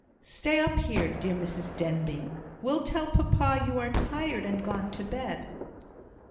"Stay up here, dear Mrs Denbigh! We'll tell papa you are tired, and are gone to bed."